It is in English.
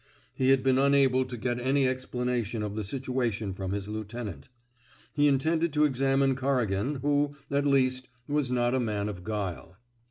He had been unable to get any explanation of the situation from his lieutenant. He intended to examine Corrigan, who, at least, was not a man of guile.